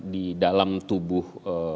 di dalam tubuh